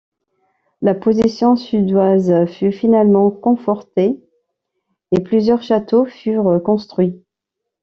La position suédoise fut finalement confortée, et plusieurs châteaux furent construits.